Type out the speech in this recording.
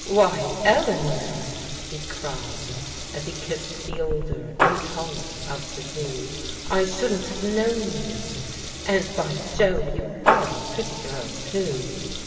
" Why, Eleanor," he cried, as he kissed the older, and taller of the two, " I shouldn't have known you. And, by Jove, you are a pretty girl too.